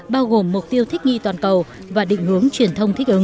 bao gồm mục tiêu thích nghi toàn cầu và định hướng truyền thông thích ứng